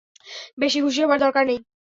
বেশি খুশি হবার দরকার নেই।